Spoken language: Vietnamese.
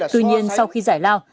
tuy nhiên sau khi giải lao